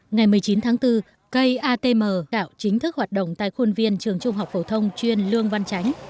ngày một mươi chín tháng bốn cây atm gạo chính thức hoạt động tại khuôn viên trường trung học phổ thông chuyên lương văn chánh